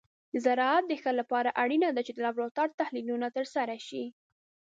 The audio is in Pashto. د زراعت د ښه لپاره اړینه ده چې د لابراتور تحلیلونه ترسره شي.